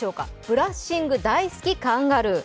ブラッシング大好きカンガルー。